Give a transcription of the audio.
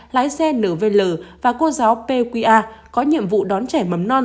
lái xe nvl và cô giáo pqa có nhiệm vụ đón trẻ mầm non